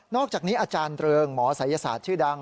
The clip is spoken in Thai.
อกจากนี้อาจารย์เริงหมอศัยศาสตร์ชื่อดัง